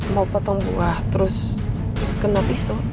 mau potong buah terus kena pisau